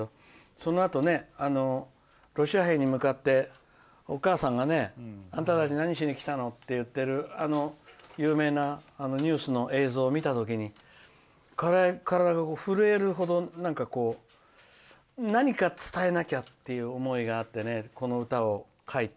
そのあと、ロシア兵に向かってお母さんがあなたたち何しにきたのって言ってるあの有名なニュースの映像を見た時に、体が震えるほど何か伝えなきゃっていう思いがあってこの歌を書いた。